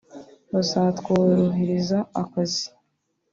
Bazatworohereza akazi